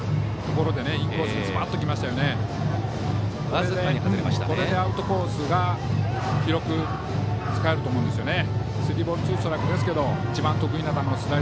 これでアウトコースが広く使えると思うんですよね。